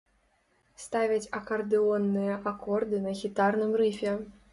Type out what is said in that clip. Ставяць акардэонныя акорды на гітарным грыфе.